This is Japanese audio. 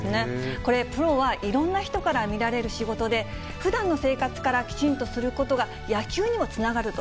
これ、プロはいろんな人から見られる仕事で、ふだんの生活からきちんとすることが、野球にもつながると。